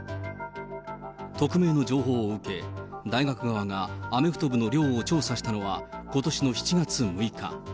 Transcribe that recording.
匿名の情報を受け、大学側がアメフト部の寮を調査したのはことしの７月６日。